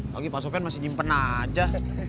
lagi pak sofyan masih nyimpen aja